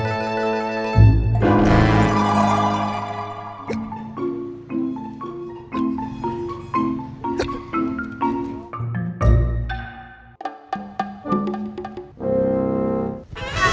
buktinya akur akur aja